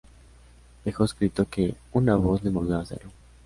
Dejó escrito que una "voz" le movió a hacerlo.